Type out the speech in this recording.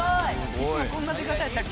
いつもこんな出方やったっけ？